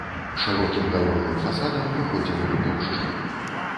Шырокім галоўным фасадам выходзіў на плошчу.